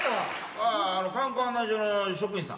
あああの観光案内所の職員さん。